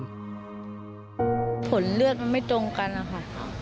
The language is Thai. ผลเลือดมันไม่ตรงกันนะคะ